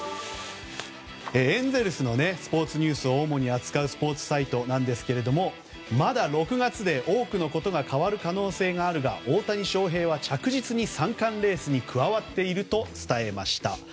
エンゼルスのスポーツニュースを主に扱うスポーツサイトですがまだ６月で多くのことが変わる可能性があるが大谷翔平は着実に三冠レースに加わっていると伝えました。